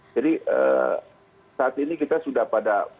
jadi saat ini kita sudah pada